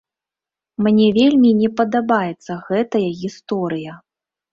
Мне вельмі не падабаецца гэтая гісторыя.